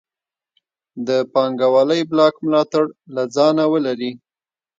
د پانګوالۍ بلاک ملاتړ له ځانه ولري.